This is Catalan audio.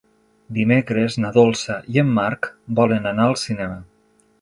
Dimecres na Dolça i en Marc volen anar al cinema.